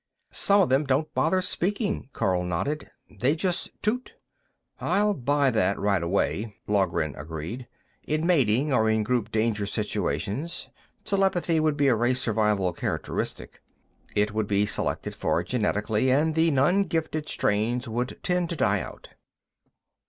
"Some of them don't bother speaking," Karl nodded. "They just toot." "I'll buy that, right away," Loughran agreed. "In mating, or in group danger situations, telepathy would be a race survival characteristic. It would be selected for genetically, and the non gifted strains would tend to die out."